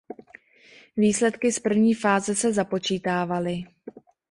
Výsledky z první fáze se započítávaly.